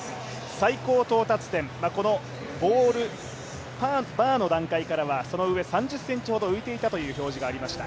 最高到達点、バーの段階からは、その上、３０ｃｍほど浮いていたという表示がありました。